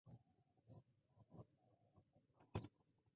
She was imprisoned for her involvement in the secret society.